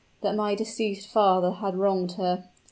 that my deceased father had wronged her.